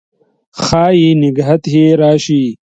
ښايي نګهت یې راشي